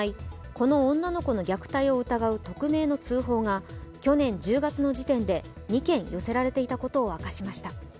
この女の子の虐待を疑う匿名の通報が去年１０月の時点で２件寄せられていたことを明かしました。